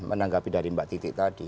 menanggapi dari mbak titi tadi